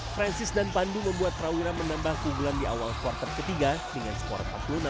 francis dan pandu membuat trawira menambah keunggulan di awal quarter ke tiga dengan skor empat puluh enam tiga puluh tujuh